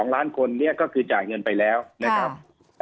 ๒ล้านคนนี้ก็คือจ่ายเงินไปแล้วนะครับ